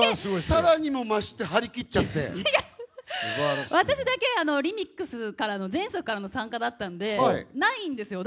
さらにも増して、張り切っち私だけリミックスからの、前作からの参加だったんで、ないんですよ。